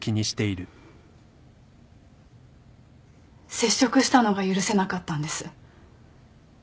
接触したのが許せなかったんです。